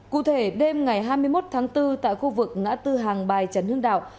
cụ thể đêm ngày hai mươi một tháng bốn tại khu vực ngã tư hàng bài trần hương đạo